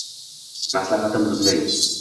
Maslahatim bunday